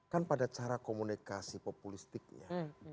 kan pada cara komunikasi populistik ya